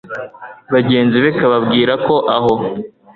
bagenzi be kababwira ko aho